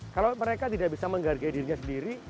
kalau mereka tidak bisa menghargai dirinya sendiri